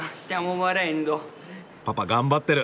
パパ頑張ってる！